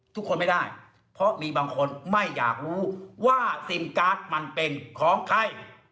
ทุกคนไม่ได้เพราะมีบางคนไม่อยากรู้ว่าซิมการ์ดมันเป็นของใคร